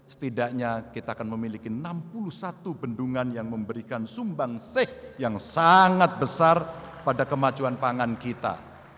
setidaknya kita akan memiliki enam puluh satu bendungan yang memberikan sumbang seh yang sangat besar pada kemajuan pangan kita